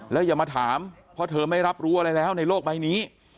แล้วอย่ามาถามเพราะเธอไม่รับรู้อะไรแล้วในโลกใบนี้